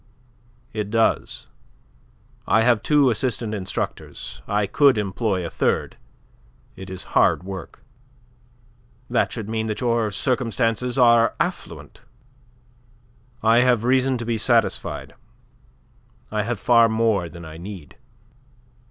"It does. I have two assistant instructors. I could employ a third. It is hard work." "That should mean that your circumstances are affluent." "I have reason to be satisfied. I have far more than I need."